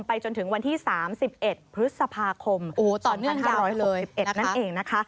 จนถึงวันที่๓๑พฤษภาคม๒๕๖๑นั่นเองนะคะ